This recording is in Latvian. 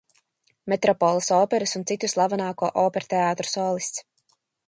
Metropoles operas un citu slavenāko operteātru solists.